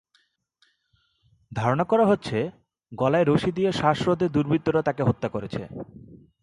ধারণা করা হচ্ছে, গলায় রশি দিয়ে শ্বাসরোধে দুর্বৃত্তরা তাঁকে হত্যা করেছে।